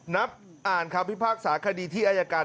นับอ่านคำพิพากษาคดีที่อายการ